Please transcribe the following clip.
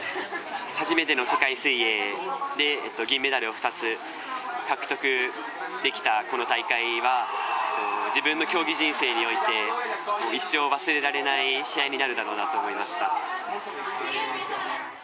初めての世界水泳で銀メダルを２つ獲得できたこの大会は自分の競技人生において一生忘れられない試合になるだろうなと思いました。